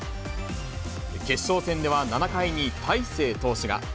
決勝戦では７回に大勢投手が。